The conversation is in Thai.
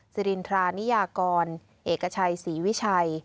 สิรินทรานิยากรเอกชัยศรีวิชัย